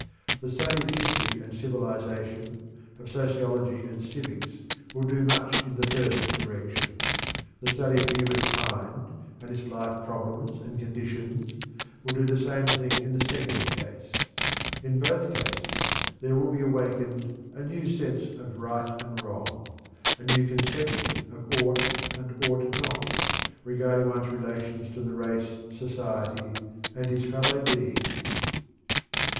The study of history and civilization, of sociology and civics, will do much in the first direction. The study of human kind, and its life problems and condition, will do the same in the second case. In both cases there will be awakened a new sense of "right and wrong" a new conception of "ought and ought not" regarding one's relations to the race, society, and his fellow beings.